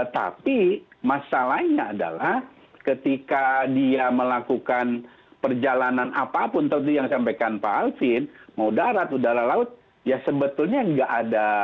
tapi masalahnya adalah ketika dia melakukan perjalanan apapun tadi yang sampaikan pak alvin mau darat udara laut ya sebetulnya nggak ada